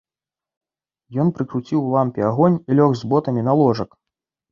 Ён прыкруціў у лямпе агонь і лёг з ботамі на ложак.